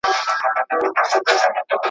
سرمایه داري یوازې د ګټې په فکر کي وي.